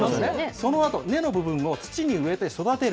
そのあと、根の部分を土に植えて育てる。